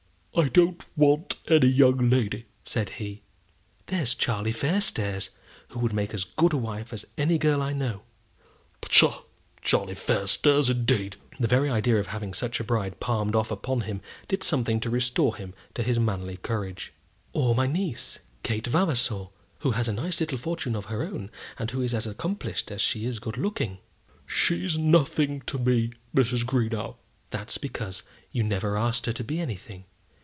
"I don't want any young lady," said he. "There's Charlie Fairstairs, who would make as good a wife as any girl I know." "Psha! Charlie Fairstairs, indeed!" The very idea of having such a bride palmed off upon him did something to restore him to his manly courage. "Or my niece, Kate Vavasor, who has a nice little fortune of her own, and who is as accomplished as she is good looking." "She's nothing to me, Mrs. Greenow." "That's because you never asked her to be anything.